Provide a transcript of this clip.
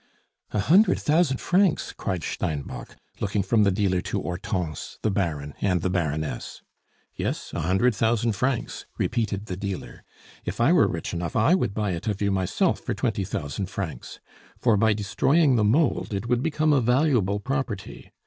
"A hundred thousand francs!" cried Steinbock, looking from the dealer to Hortense, the Baron, and the Baroness. "Yes, a hundred thousand francs," repeated the dealer. "If I were rich enough, I would buy it of you myself for twenty thousand francs; for by destroying the mould it would become a valuable property.